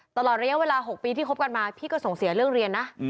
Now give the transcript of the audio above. ตลอดระยะเวลา๖ปีที่คบกันมาพี่ก็ส่งเสียเรื่องเรียนนะ